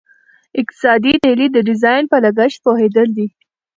اقتصادي تحلیل د ډیزاین په لګښت پوهیدل دي.